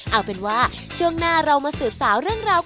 เอาเป็นว่าช่วงหน้าเรามาสืบสาวเรื่องราว